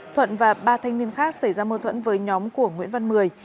thuận và ba thanh niên khác xảy ra mâu thuẫn với nhóm của nguyễn văn mười